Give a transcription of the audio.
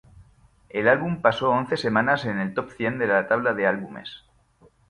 El álbum pasó once semanas en el top cien de la tabla de Álbumes.